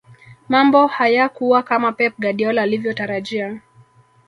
mambo hayakuwa kama pep guardiola alivyotarajia